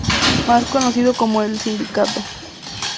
Más conocido como "el sindicato".